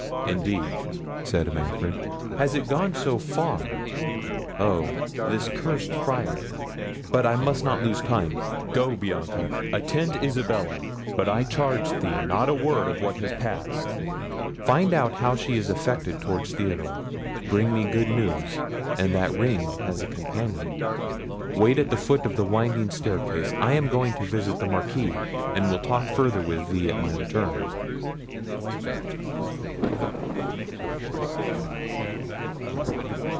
"Indeed!" said Manfred, "has it gone so far! oh! this cursed Friar!—but I must not lose time—go, Bianca, attend Isabella; but I charge thee, not a word of what has passed. Find out how she is affected towards Theodore; bring me good news, and that ring has a companion. Wait at the foot of the winding staircase: I am going to visit the Marquis, and will talk further with thee at my return."